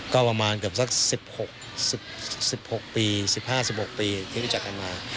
ก็ประมาณเกือบสัก๑๖ปี๑๕๑๖ปีที่รู้จักกันมา